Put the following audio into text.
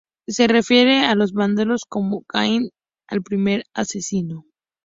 Se refiere a los vándalos como Caín el primer asesino.